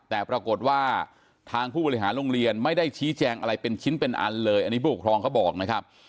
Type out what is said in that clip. แต่ปรากฏว่าทางผู้บริหารโรงเรียนไม่ได้ชี้แจงอะไรเป็นชิ้นเป็นอันเลยอันนี้ผู้ปกครองเขาบอกนะครับ